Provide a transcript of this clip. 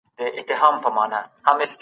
د خراسان نیولو څومره وخت ونیو؟